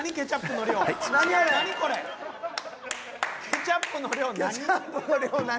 ケチャップの量何？